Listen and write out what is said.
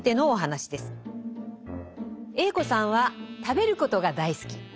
Ａ子さんは食べることが大好き。